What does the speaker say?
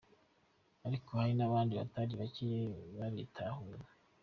Ariko hari n'abandi batari bake babitahura.